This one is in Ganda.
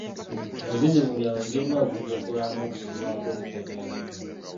Enzizi mu byalo zirina okugogolwa n'okussibwako olukomera.